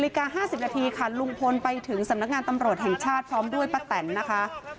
นาฬิกา๕๐นาทีค่ะลุงพลไปถึงสำนักงานตำรวจแห่งชาติพร้อมด้วยป้าแตนนะคะ